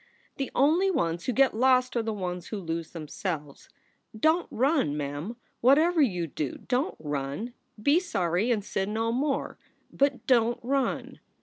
The only ones who get lost are the ones who lose themselves. Don t run, Mem! Whatever you do, don t run! Be sorry, and sin no more. But don t run!